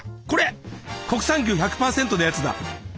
これ国産牛１００％のやつだ！